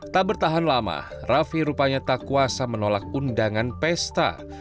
tak bertahan lama raffi rupanya tak kuasa menolak undangan pesta